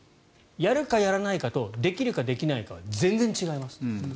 やるかやらないかとできるかできないかは全然違います。